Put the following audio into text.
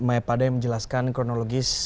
mayapada yang menjelaskan kronologis